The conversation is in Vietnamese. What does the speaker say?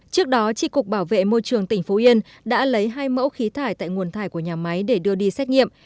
trước đó tri cục bảo vệ môi trường tỉnh phú yên đã lấy hai mẫu khí thải tại nguồn thải của nhà máy để đưa đi xét nghiệm